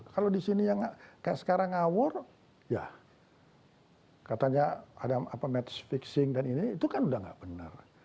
kalau di sini yang kayak sekarang ngawur ya katanya ada match fixing dan ini itu kan udah nggak benar